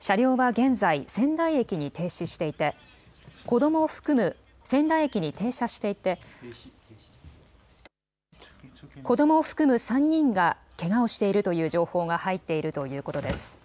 車両は現在、仙台駅に停車していて子どもを含む３人がけがをしているという情報が入っているということです。